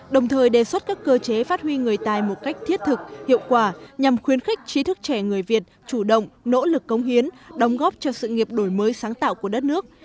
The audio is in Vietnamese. đồng thời đề xuất các cơ chế phát huy người tài một cách thiết thực hiệu quả nhằm khuyến khích chí thức trẻ người việt chủ động nỗ lực công hiến đóng góp cho sự nghiệp đổi mới sáng tạo của đất nước